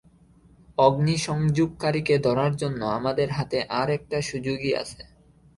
অগ্নিসংযোগকারীকে ধরার জন্য আমাদের হাতে আর একটা সুযোগই আছে।